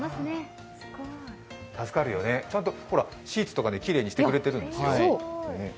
助かるよね、ちゃんとシーツとかきれいにしてくれてるんですよ。